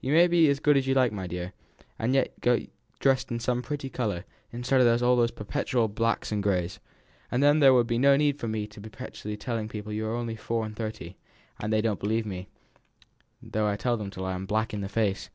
"You may be as good as you like, my dear, and yet go dressed in some pretty colour, instead of those perpetual blacks and greys, and then there would be no need for me to be perpetually telling people you are only four and thirty (and they don't believe me, though I tell them so till I am black in the face).